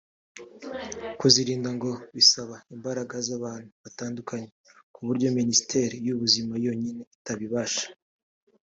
Kuzirinda ngo bisaba imbaraga z’abantu batandukanye ku buryo Minisiteri y’ubuzima yonyine itabibasha